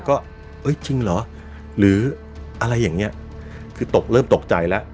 ก็เอ้ยจริงเหรอหรืออะไรอย่างเงี้ยคือตกเริ่มตกใจแล้ว